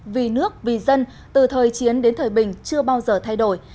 vì nước vì dân từ thời chiến đến thời bình chưa bao giờ thay đổi